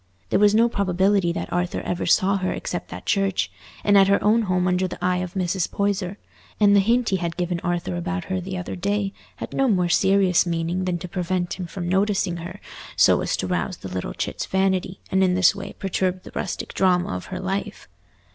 There was no probability that Arthur ever saw her except at church, and at her own home under the eye of Mrs. Poyser; and the hint he had given Arthur about her the other day had no more serious meaning than to prevent him from noticing her so as to rouse the little chit's vanity, and in this way perturb the rustic drama of her life.